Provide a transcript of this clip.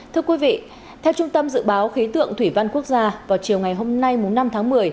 thưa quý vị theo trung tâm dự báo khí tượng thủy văn quốc gia vào chiều ngày hôm nay năm tháng một mươi